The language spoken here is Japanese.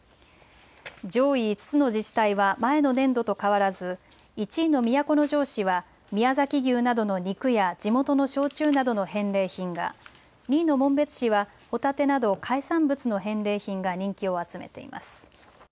上位５つの自治体は前の年度と変わらず１位の都城市は宮崎牛などの肉や地元の焼酎などの返礼品が、２位の紋別市はホタテなど海産物の返礼品が人気を集めています。